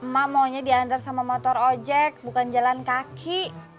mak maunya diantar sama motor ojek bukan jalan kaki